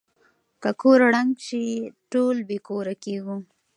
که کور ړنګ شي ټول بې کوره کيږو.